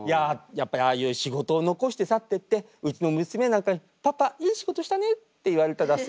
やっぱりああいう仕事を残して去ってってうちの娘なんかに「パパいい仕事したね」って言われたら。